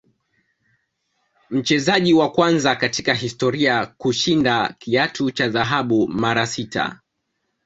Mchezaji wa kwanza katika historia kushinda kiatu cha dhahabu mara sita